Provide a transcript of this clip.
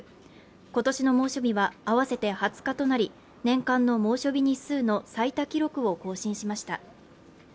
今年の猛暑日は合わせて２０日となり年間の猛暑日日数の最多記録を更新しました。